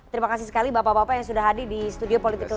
terima kasih sekali bapak bapak yang sudah hadir di studio politik